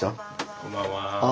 こんばんは。